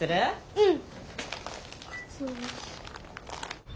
うん。